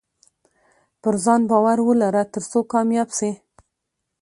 پرځان باور ولره ترڅو کامياب سې